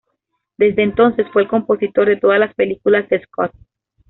Desde entonces, fue el compositor de todas las películas de Scott.